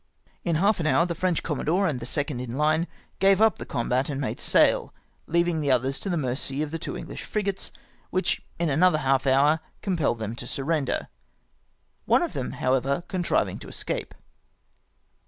In lialf an hour, the French commodore and the second in the hne gave up the combat, and made sail, leaving the others to the mercy of the two Enghsh frigates, which in another half hour compelled them to surrender, one of them, however, contriving to escape.